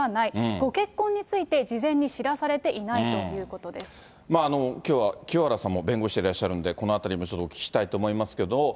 ご結婚について、事前に知らされきょうは清原さんも弁護士でいらっしゃるんで、このあたりもちょっとお聞きしたいと思いますけれども。